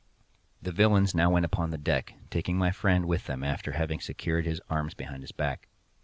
The villains now went upon deck, taking my friend with them after having secured his arms behind his back.